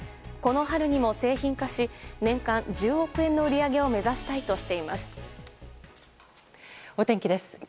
この春にも製品化し年間１０億円の売り上げを目指したいとしています。